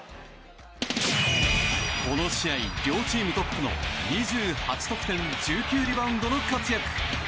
この試合、両チームトップの２８得点１９リバウンドの活躍。